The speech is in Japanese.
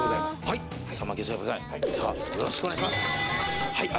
はい。